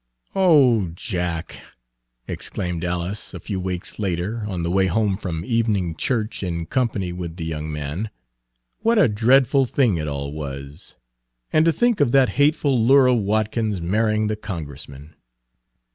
"Oh, Jack!" exclaimed Alice, a few weeks later, on the way home from evening church in company with the young man, "what a dreadful thing it all was! And to think of that hateful Lura Watkins marrying the Congressman!"